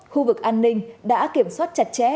khu vực an ninh đã kiểm soát chặt chẽ